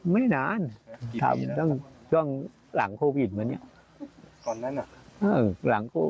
ไม่นานทำต้องต้องหลังโควิดมาเนี้ยก่อนนั้นอ่ะเออหลังก็